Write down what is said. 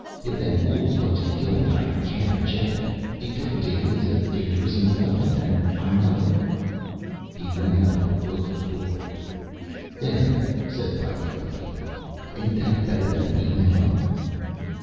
If them gools want to kill me, I can't object. Deteckating is a dangerous employment, and I know it." He went out and closed the door. "There," said Pie Wagon Pete. "Ain't that better than beatin' him up?"